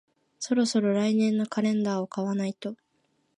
そろそろ来年のカレンダーを買わないと